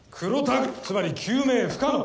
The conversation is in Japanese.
つまり救命不可能。